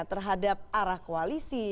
terhadap arah koalisi